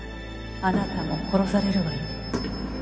あなたも殺されるわよ。